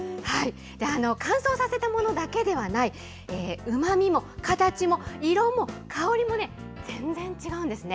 乾燥させたものだけではない、うまみも形も色も香りもね、全然違うんですね。